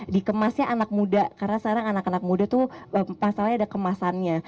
dikemasnya anak muda karena sekarang anak anak muda tuh pasalnya ada kemasannya